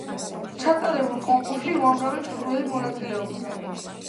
ჩატარებულ კონკურსში უამრავი მსურველი მონაწილეობდა.